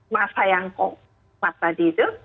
masa yang kok waktu tadi itu